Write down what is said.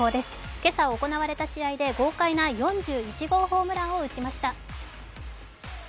今朝行われた試合で豪快な４１号ホームランを打ちました。